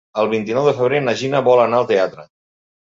El vint-i-nou de febrer na Gina vol anar al teatre.